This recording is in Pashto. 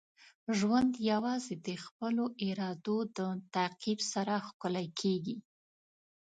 ژوند یوازې د خپلو ارادو د تعقیب سره ښکلی کیږي.